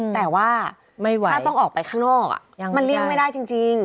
แต่ว่าถ้าต้องออกไปข้างนอกมันเลี่ยงไม่ได้จริง